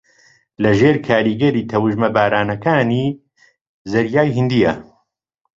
لەژێر کاریگەری تەوژمە بارانەکانی زەریای ھیندییە